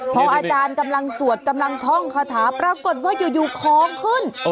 พออาจารย์กำลังสวดกำลังท่องคาถาปรากฏว่าอยู่ของขึ้น